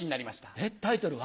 えっタイトルは？